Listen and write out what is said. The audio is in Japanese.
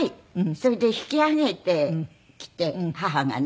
それで引き揚げてきて母がね。